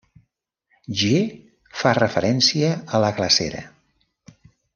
G fa referència a la glacera.